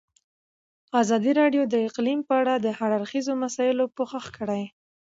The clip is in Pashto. ازادي راډیو د اقلیم په اړه د هر اړخیزو مسایلو پوښښ کړی.